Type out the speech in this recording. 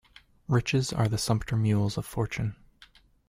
Riches are the sumpter mules of fortune.